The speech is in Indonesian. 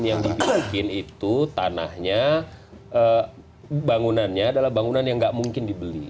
yang dibikin itu tanahnya bangunannya adalah bangunan yang nggak mungkin dibeli